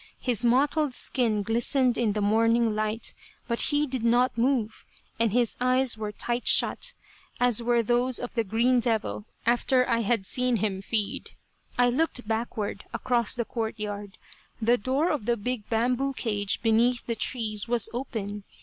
His mottled skin glistened in the morning light, but he did not move, and his eyes were tight shut, as were those of the "green devil" after I had seen him feed. I looked backward, across the court yard. The door of the big bamboo cage beneath the trees was open.